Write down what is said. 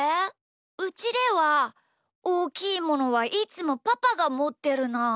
うちではおおきいものはいつもパパがもってるな。